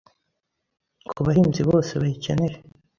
ku bahinzi bose bayikeneye